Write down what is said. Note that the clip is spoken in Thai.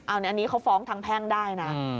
อันนี้เขาฟ้องทางแพ่งได้นะ